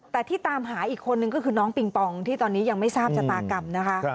แต่ที่ตามหาอีกคนนึงก็คือน้องปิงปองที่ตอนนี้ยังไม่ทราบชะตากรรมนะคะ